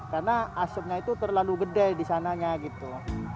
karena asapnya itu terlalu gede di sananya gitu